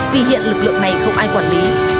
vì hiện lực lượng này không ai quản lý